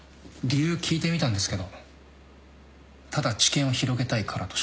理由聞いてみたんですけどただ知見を広げたいからとしか。